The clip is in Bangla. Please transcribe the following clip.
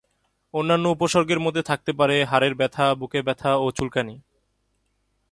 অন্যান্য উপসর্গের মধ্যে থাকতে পারে হাড়ের ব্যথা, বুকে ব্যথা বা চুলকানি।